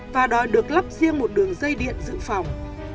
và đòi được lắp riêng một đường dây điện dự phòng